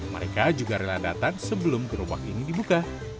mereka juga rela datang sebelum gerobak ini dibuka